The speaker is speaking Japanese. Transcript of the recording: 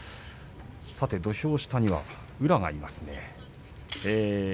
土俵下には宇良がいますね。